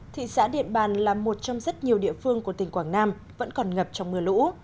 thị xã điện bàn là một trong rất nhiều địa phương của tỉnh quảng nam vẫn còn ngập trong mưa lũ